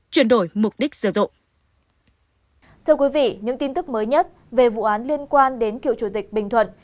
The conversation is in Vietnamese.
thưa quý vị những tin tức mới nhất về vụ án liên quan đến cựu chủ tịch bình thuận